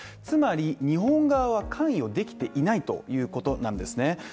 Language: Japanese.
つまり、日本側は関与できていないということなんですね